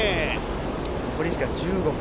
残り時間１５分。